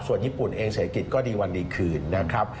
ส่วนญี่ปุ่นเองเศรษฐกิจก็ดีวันดีคืนนะครับ